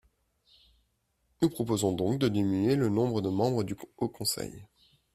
Nous proposons donc de diminuer le nombre de membres du Haut conseil.